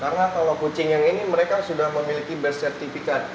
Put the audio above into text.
karena kalau kucing yang ini mereka sudah memiliki birth certificate